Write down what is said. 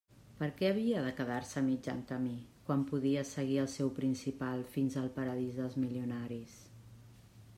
Per què havia de quedar-se a mitjan camí quan podia seguir el seu principal fins al paradís dels milionaris?